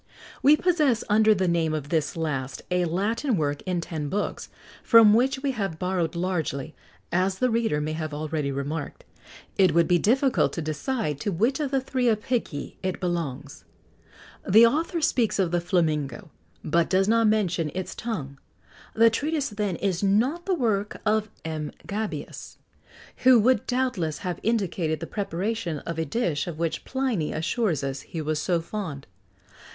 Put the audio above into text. We possess, under the name of this last, a Latin work in ten books, from which we have borrowed largely, as the reader may have already remarked. It would be difficult to decide to which of the three Apicii it belongs. The author speaks of the flamingo, but does not mention its tongue: the treatise, then, is not the work of M. Gabius, who would doubtless have indicated the preparation of a dish of which Pliny assures us he was so fond.